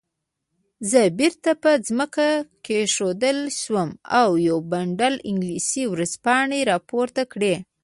زه بیرته په ځمکه کېښودل شوم او یو بنډل انګلیسي ورځپاڼې راپورته کړې.